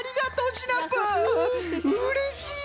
うれしいな！